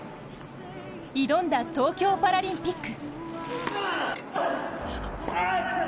挑んだ東京パラリンピック。